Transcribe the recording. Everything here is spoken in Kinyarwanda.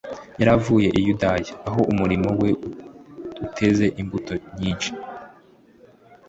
yari avuye i Yudaya, aho umurimo we uteze imbuto nyinshi.